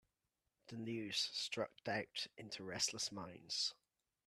The news struck doubt into restless minds.